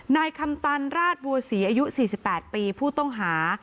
นายคำตันราชบัวศรีอายุสี่สิบแปดปีผู้ต้องหา